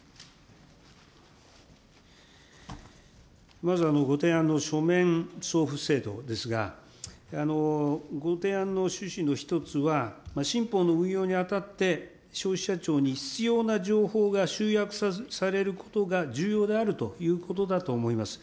まずご提案の書面送付制度ですが、ご提案の趣旨の１つは、新法の運用にあたって、消費者庁に必要な情報が集約されることが重要であるということだと思います。